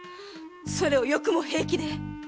それをよくも平気で！